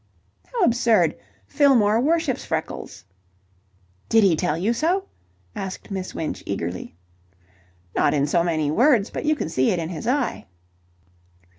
"How absurd! Fillmore worships freckles." "Did he tell you so?" asked Miss Winch eagerly. "Not in so many words, but you can see it in his eye."